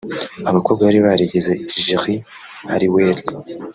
Abakobwa bari barigize Geri Halliwell